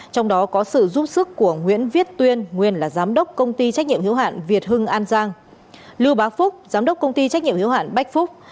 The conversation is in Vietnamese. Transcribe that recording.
trong đó có sự giúp sức của nguyễn viết tuyên nguyên là giám đốc công ty trách nhiệm hiếu hạn việt hưng an giang lưu bá phúc giám đốc công ty trách nhiệm hiếu hạn bách phúc